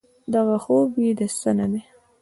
دغه خوب بې د څه نه دی.